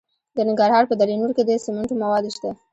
د ننګرهار په دره نور کې د سمنټو مواد شته.